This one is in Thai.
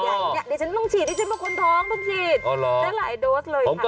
เดี๋ยวฉันต้องฉีดยี่เจ้ีพวกคล้อนทองใช้หลายโดสเลยค่ะ